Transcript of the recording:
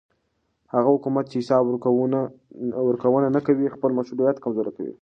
هغه حکومت چې حساب ورکوونه نه کوي خپل مشروعیت کمزوری کوي